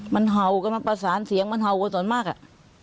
มันเห่ากันมันประสานเสียงมันเห่ากันส่วนมากอ่ะ